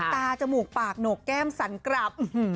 ตาจมูกปากหนูกแก้มสันกรับ